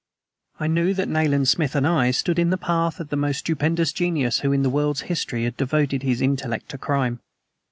I knew that Nayland Smith and I stood in the path of the most stupendous genius who in the world's history had devoted his intellect to crime.